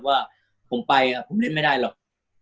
ว่าผมไปผมเล่นไม่ได้หรอก